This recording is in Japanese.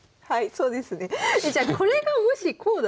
そうですね。